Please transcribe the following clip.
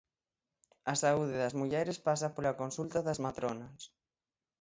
A saúde das mulleres pasa pola consulta das matronas.